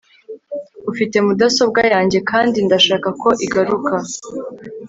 ufite mudasobwa yanjye kandi ndashaka ko igaruka